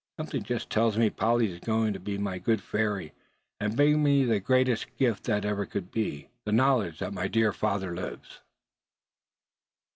"Something just tells me Polly is going to be my good fairy, and bring me the greatest gift that ever could be the knowledge that my dear father lives."